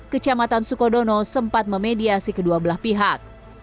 kecamatan sukodono sempat memediasi kedua belah pihak